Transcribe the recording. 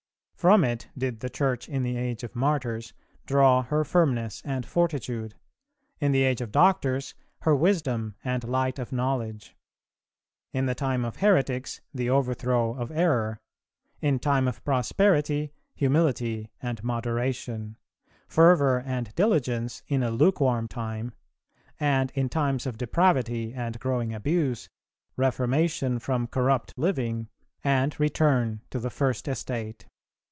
From it did the Church in the age of Martyrs draw her firmness and fortitude; in the age of Doctors, her wisdom and light of knowledge; in the time of heretics, the overthrow of error; in time of prosperity, humility and moderation; fervour and diligence, in a lukewarm time; and in times of depravity and growing abuse, reformation from corrupt living and return to the first estate."